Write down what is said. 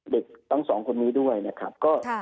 เด็กทั้งสองคนนี้ด้วยนะครับ